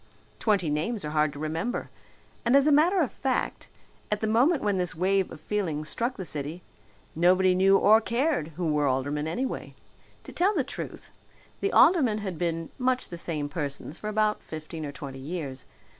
Twenty names are hard to remember, and as a matter of fact, at the moment when this wave of feeling struck the city, nobody knew or cared who were aldermen, anyway. To tell the truth, the aldermen had been much the same persons for about fifteen or twenty years.